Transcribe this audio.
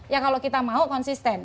ya kalau kita mau konsisten